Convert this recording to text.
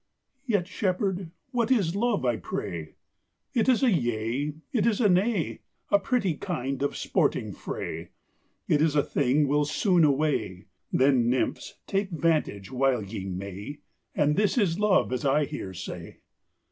"Yet, shepherd, what is love, I pray?" It is a "Yea," it is a "Nay," A pretty kind of sporting fray; It is a thing will soon away; Then, nymphs, take vantage while ye may, And this is love, as I hear say.